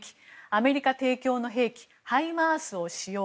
アメリカ提供の兵器ハイマースを使用。